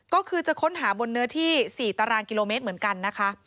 ก็คือจะค้นหาบนเนื้อที่๔ตารางกิโลเมตรเหมือนกันนะคะ